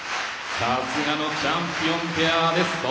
さすがのチャンピオンペアです。